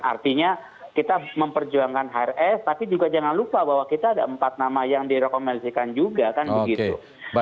artinya kita memperjuangkan hrs tapi juga jangan lupa bahwa kita ada empat nama yang direkomendasikan juga kan begitu